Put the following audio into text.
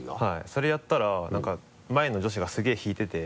それやったら何か前の女子がすげぇ引いてて。